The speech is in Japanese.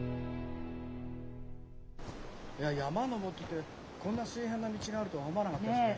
いや山登ってこんな水平な道があるとは思わなかったですね。